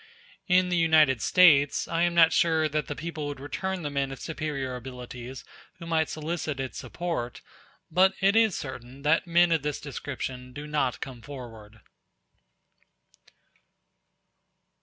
In the United States, I am not sure that the people would return the men of superior abilities who might solicit its support, but it is certain that men of this description do not come forward.